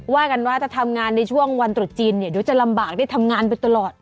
ว่ากันว่าจะทำงานในช่วงวันตรุษจีนเนี่ยเดี๋ยวจะลำบากได้ทำงานไปตลอด